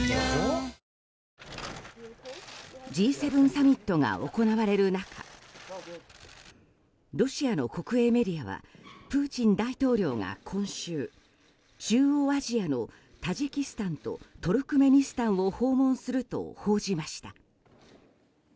Ｇ７サミットが行われる中ロシアの国営メディアはプーチン大統領が今週中央アジアのタジキスタンとトルクメニスタンを訪問すると報じました。